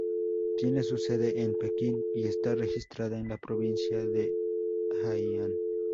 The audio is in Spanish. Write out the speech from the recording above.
Tiene su sede en Pekín y está registrada en la provincia de Hainan.